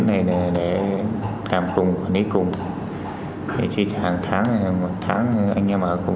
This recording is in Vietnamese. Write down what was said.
mỗi ngày thu được khoảng mấy trăm cái dạng bán cá